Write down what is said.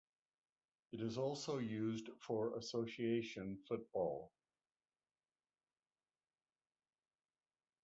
It is also used for Association Football.